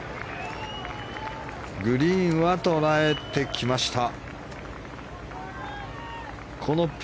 グリーンは捉えてきました。